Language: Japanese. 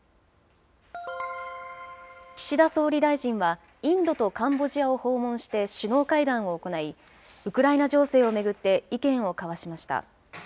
岸田総理大臣は、インドとカンボジアを訪問して首脳会談を行い、ウクライナ情勢を巡って意見を交わしました。